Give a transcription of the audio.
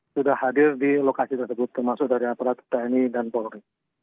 sudah hadir di lokasi tersebut termasuk dari aparat tni dan polri